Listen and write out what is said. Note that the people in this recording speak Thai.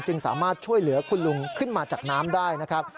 สามารถช่วยเหลือคุณลุงขึ้นมาจากน้ำได้นะครับ